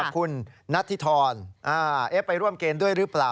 คุณนัทธิธรไปร่วมเกณฑ์ด้วยหรือเปล่า